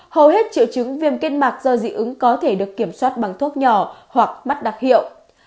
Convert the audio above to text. hầu hết triệu chứng viêm kết mạc do dị ứng có thể được kiểm soát bằng thuốc nhỏ hoặc mắt đặc hiệu